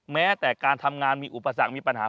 แม้แต่การทำงานมีอุปสรรคมีปัญหา